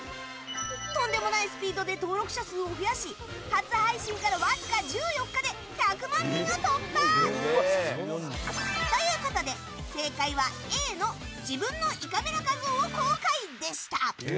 とんでもないスピードで登録者数を増やし初配信から、わずか１４日で１００万人を突破！ということで正解はＡの自分の胃カメラ画像を公開でした。